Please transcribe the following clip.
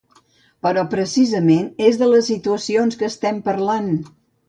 Però precisament, és de situacions que estem parlant!